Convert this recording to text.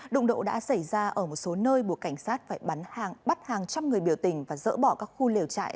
đụng độ đã xảy ra ở một số nơi buộc cảnh sát phải bắt hàng trăm người biểu tình và dỡ bỏ các khu liều chạy